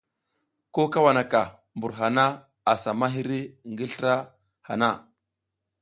Ko kawana mbur hana asa ma hiri ngi slra hana.